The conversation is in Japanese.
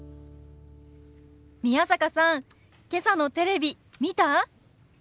宮坂さんけさのテレビ見た？